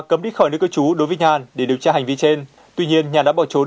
cấm đi khỏi nước cơ chú đối với nhàn để điều tra hành vi trên tuy nhiên nhàn đã bỏ trốn